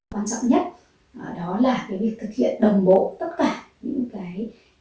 quan trọng nhất đó là việc thực hiện đồng bộ tất cả những kế hoạch đặc thù đưa ra trong giai đoạn covid này của ban chủ nhiệm khoa quốc tế